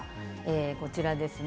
こちらですね。